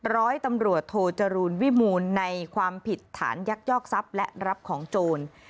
ร้อยตำรวจโทจรูลวิมูลในความผิดฐานยักยอกทรัพย์และรับของโจร